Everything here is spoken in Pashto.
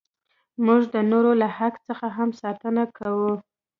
موږ د نورو له حق څخه هم ساتنه کوو.